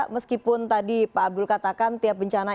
meskipun tadi pak abdul katakan tiap bencana